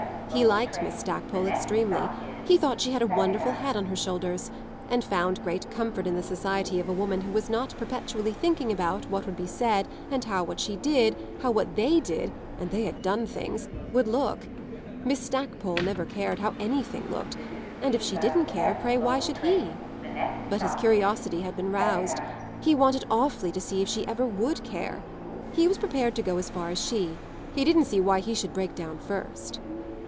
He liked Miss Stackpole extremely; he thought she had a wonderful head on her shoulders, and found great comfort in the society of a woman who was not perpetually thinking about what would be said and how what she did, how what they did and they had done things! would look. Miss Stackpole never cared how anything looked, and, if she didn't care, pray why should he? But his curiosity had been roused; he wanted awfully to see if she ever would care. He was prepared to go as far as she he didn't see why he should break down first.